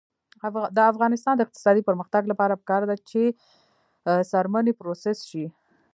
د افغانستان د اقتصادي پرمختګ لپاره پکار ده چې څرمنې پروسس شي.